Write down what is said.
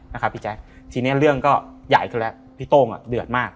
พี่แจ๊คทีนี้เรื่องก็ใหญ่ขึ้นแล้วพี่โต้งอ่ะเดือดมาก